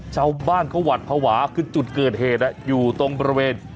ชาวบ้านเขาหวัดภาวะคือจุดเกิดเหตุอยู่ตรงบริเวณ